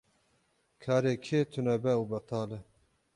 Karê kê tune be ew betal e.